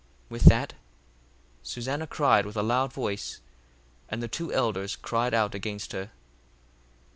1:24 With that Susanna cried with a loud voice: and the two elders cried out against her.